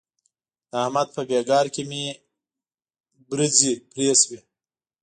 د احمد په بېګار کې مې برځې پرې شوې.